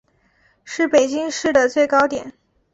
是北京市的最高点。